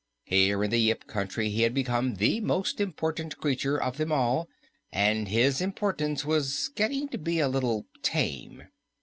Here in the Yip Country he had become the most important creature of them all, and his importance was getting to be a little tame.